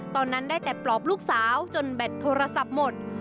ตอนนั้นได้แต่ปลอบลูกสาวจนแบตโทรศัพท์หมด